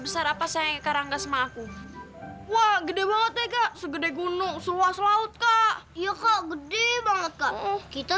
sampai jumpa di video selanjutnya